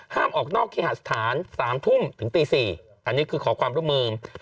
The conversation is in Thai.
ออกนอกเคหาสถาน๓ทุ่มถึงตี๔อันนี้คือขอความร่วมมือ